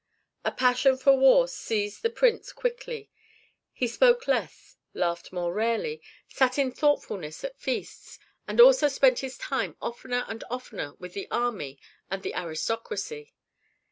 A passion for war seized the prince quickly. He spoke less, laughed more rarely, sat in thoughtfulness at feasts, and also spent his time oftener and oftener with the army and the aristocracy.